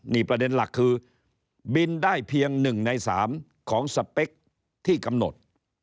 นี่ประเด็นหลักคือบินได้เพียง๑ใน๓ของสเปคที่กำหนด